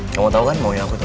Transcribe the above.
kamu tau kan mau yang aku tau